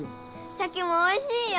シャケもおいしいよ！